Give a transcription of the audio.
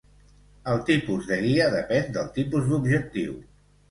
El tipus de guia depèn del tipus d'objectiu.